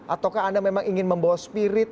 ataukah anda memang ingin membawa spirit